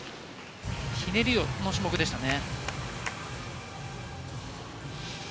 ひねりの種目でしたね。